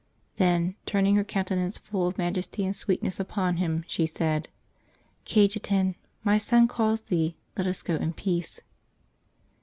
Then, turning her countenance full of majesty and sweet ness upon him, she said, " Cajetan, my Son calls thee. Let us go in peace."